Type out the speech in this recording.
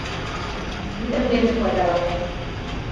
Тидын дене пайдаланен.